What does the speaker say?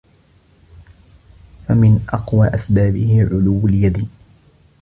فَمِنْ أَقْوَى أَسْبَابِهِ عُلُوُّ الْيَدِ